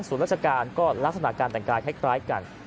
ส่วนราชการก็ลักษณะการแต่งกายคล้ายกัน